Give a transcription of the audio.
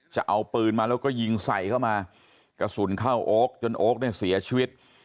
จะเอาปืนมาแล้วก็ยิงใส่เข้ามากระสุนเข้าโอ๊คจนโอ๊คเนี่ยเสียชีวิต